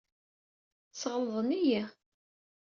Sɣelḍen-iyi.